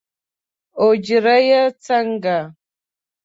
اوجره یې څنګه؟